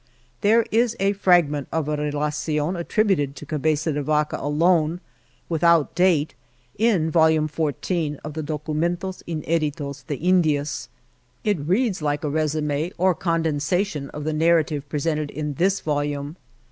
There is a fragment of a Relation attributed to Cabeza de Vaca alone, without date, in Vol. XIV of the Documentos Ineditos de Indian. It reads like a resume, or condensation, of the narrative presented in this volume.